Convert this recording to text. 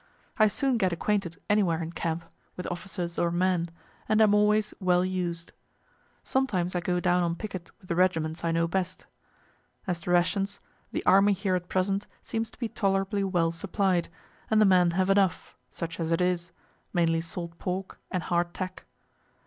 I soon get acquainted anywhere in camp, with officers or men, and am always well used. Sometimes I go down on picket with the regiments I know best. As to rations, the army here at present seems to be tolerably well supplied, and the men have enough, such as it is, mainly salt pork and hard tack.